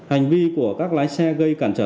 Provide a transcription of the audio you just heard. hành vi của các lái xe gây càn trở